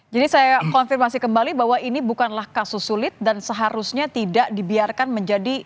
jadi saya konfirmasi kembali bahwa ini bukanlah kasus sulit dan seharusnya tidak dibiarkan menjadi